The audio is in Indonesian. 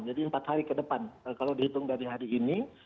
jadi empat hari ke depan kalau dihitung dari hari ini